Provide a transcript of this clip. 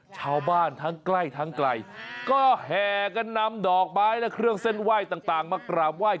ชาวบ้านทั้งใกล้ทั้งไกลก็แห่กันนำดอกไม้และเครื่องเส้นไหว้ต่างมากราบไหว้